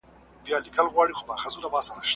موږ بايد د سياست په اړه علمي پرېکړې وکړو.